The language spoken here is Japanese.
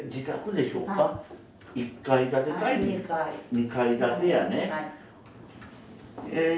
２階建てやね。